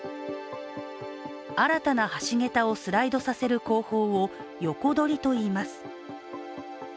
新たな橋桁をスライドさせる工法を横取りといいます。